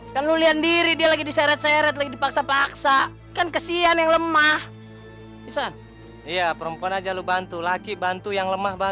kamu pasti akan mendapatkannya